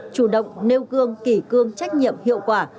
chủ động nêu gương kỷ cương trách nhiệm hiệu quả